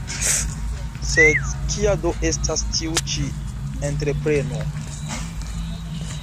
Sed kia do estas tiu ĉi entrepreno.